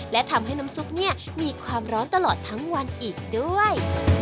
และทำให้น้ำซุปเนี่ยมีความร้อนตลอดทั้งวันอีกด้วย